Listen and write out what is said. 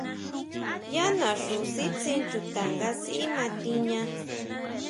Yá naxú sitsín chuta nga sʼí ma tiña.